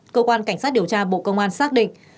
cơ quan cảnh sát điều tra bộ công an xác định